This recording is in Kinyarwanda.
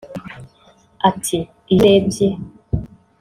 Ati “Iyo urebye